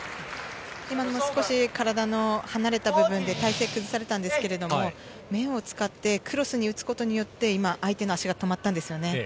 今の、少し体が離れた部分で体を崩されたんですけど、クロスに打つことによって相手の足が止まったんです。